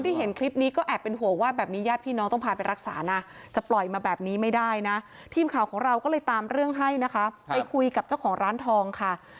เห็นคลิปนี้ก็แอบเป็นห่วงว่าแบบนี้ญาติพี่น้องต้องพาไปรักษานะจะปล่อยมาแบบนี้ไม่ได้นะทีมข่าวของเราก็เลยตามเรื่องให้นะคะไปคุยกับเจ้าของร้านทองค่ะ